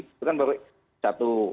itu kan baru satu